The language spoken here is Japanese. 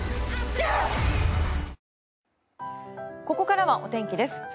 ここからはお天気です。